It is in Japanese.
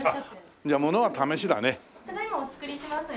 じゃあものは試しだね。